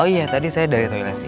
oh iya tadi saya dari toilet sih